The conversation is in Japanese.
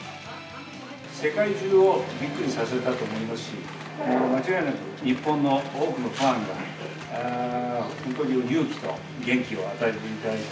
世界中をびっくりさせたと思いますし、間違いなく日本の多くのファンに、本当に勇気と元気を与えていただいた。